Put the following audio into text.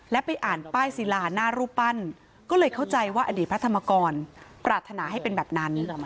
และไปอ่านป้ายศิลาหน้ารูปปั้นก็เลยเข้าใจว่าอดีตพระธรรมกรปรารถนาให้เป็นแบบนั้น